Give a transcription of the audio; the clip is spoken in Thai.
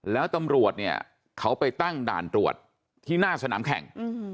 แล้วตำรวจเนี่ยเขาไปตั้งด่านตรวจที่หน้าสนามแข่ง